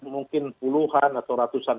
mungkin puluhan atau ratusan